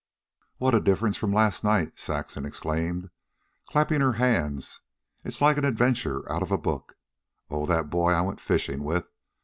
"What a difference from last night!" Saxon exclaimed, clapping her hands. "It's like an adventure out of a book. Oh, that boy I went fishing with!